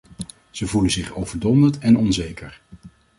Ze voelen zich overdonderd en onzeker.